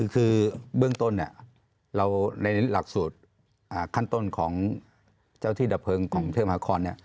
คือเบื้องต้นเราในหลักสูตรขั้นต้นของเจ้าที่ดับเพลิงของเทพมหาคอน